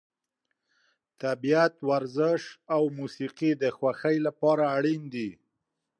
طبیعت، ورزش او موسیقي د خوښۍ لپاره اړین دي.